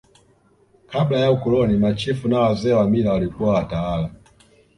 kabla ya ukoloni machifu na wazee wa mila walikuwa watawala